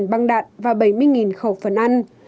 một trăm năm mươi băng đạn và bảy mươi khẩu súng